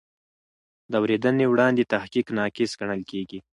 د اورېدنې وړاندې تحقیق ناقص ګڼل کېږي.